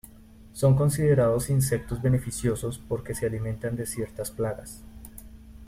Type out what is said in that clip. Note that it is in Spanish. Son considerados insectos beneficiosos porque se alimentan de ciertas plagas.